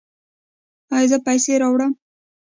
ایا زه پیسې راوړم؟